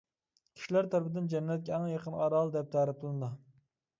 كىشىلەر تەرىپىدىن «جەننەتكە ئەڭ يېقىن ئارال» دەپ تەرىپلىنىدۇ.